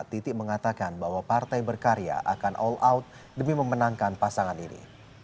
titik mengatakan bahwa partai berkarya akan all out demi memenangkan pasangan ini